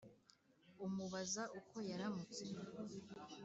umubaza uko yaramutse